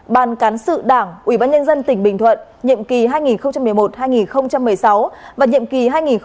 ban cán sự đảng ủy ban nhân dân tỉnh bình thuận nhiệm kỳ hai nghìn một mươi một hai nghìn một mươi sáu và nhiệm kỳ hai nghìn một mươi sáu hai nghìn một mươi sáu